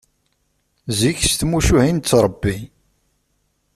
Zik s tmucuha i nettrebbi.